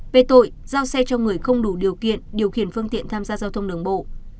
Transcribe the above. về tội giao xe cho người không đủ điều kiện điều khiển phương tiện tham gia giao thông đường bộ